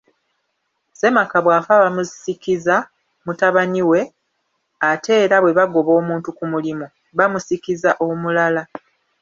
Ssemaka bw'afa bamusikiza mutabani we ate era bwe bagoba omuntu ku mulimu bamusikiza omulala